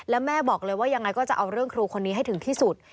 แล้วแม่บอกเลยว่ายังไงก็จะเอาเรื่องครูคนนี้ให้ถึงที่สุด